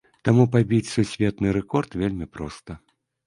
Таму пабіць сусветны рэкорд вельмі проста.